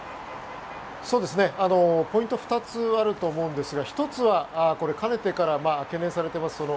ポイントは２つあると思うんですが１つはかねてから懸念されています